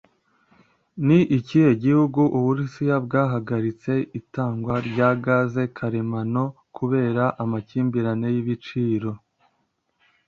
Ni ikihe gihugu Uburusiya bwahagaritse itangwa rya gaze karemano kubera amakimbirane y'ibiciro?